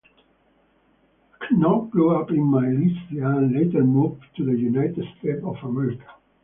Khor grew up in Malaysia and later moved to the United States of America.